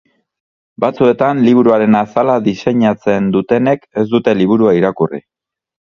Batzuetan liburuaren azala diseinatzen dutenek ez dute liburua irakurri.